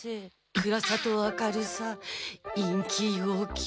暗さと明るさ陰気陽気どちらも。